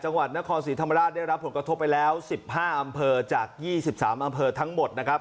จังหวัดนครศรีธรรมราชได้รับผลกระทบไปแล้ว๑๕อำเภอจาก๒๓อำเภอทั้งหมดนะครับ